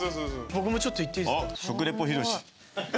僕もちょっといっていいですか？